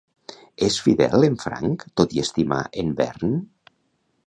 És fidel en Frank tot i estimar en Bernd?